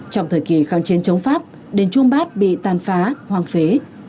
trong thời kỳ kháng chiến chống pháp đền trung bát bị tàn phá hoàng phế